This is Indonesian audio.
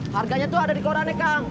harganya tuh ada di koran nek kang